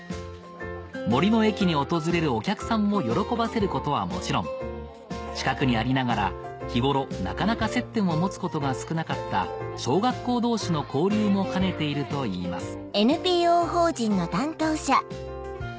森の駅に訪れるお客さんを喜ばせることはもちろん近くにありながら日頃なかなか接点を持つことが少なかった小学校同士の交流も兼ねているといいます